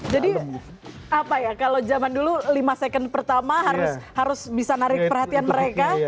jadi apa ya kalau zaman dulu lima second pertama harus bisa narik perhatian mereka